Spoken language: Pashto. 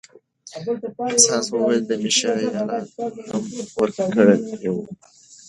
هانس وویل میشایلا الهام ورکړی و.